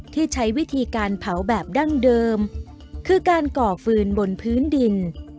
ที่ใช้วิธีการเผาแบบดั้งเดิมคือการก่อฟืนบนพื้นดิน